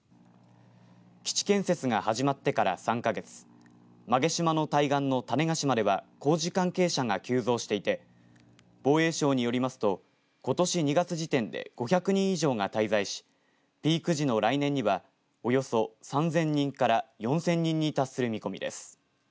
基地建設が始まってから３か月馬毛島の対岸の種子島では工事関係者が急増していて防衛省によりますとことし２月時点で５００人以上が滞在しピーク時の来年にはおよそ３０００人から４０００人に達する見込みです。